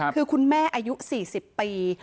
คือคุณแม่อายุ๔๐ปี